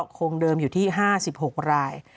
คงเดิมอยู่ที่๕๖ราย